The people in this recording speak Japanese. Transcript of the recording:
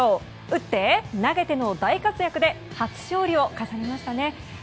打って投げての大活躍で初勝利を飾りましたね。